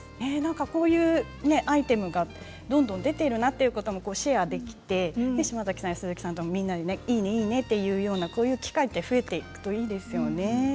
こういうアイテムがどんどん出ているなということもシェアできて島崎さんや、鈴木さんともいいね、いいねという機会が増えていくといいですよね。